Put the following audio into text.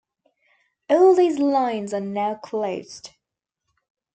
All these lines are now closed.